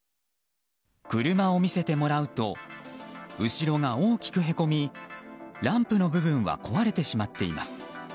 車を見せてもらうと後ろが大きくへこみランプの部分は壊れてしまっています。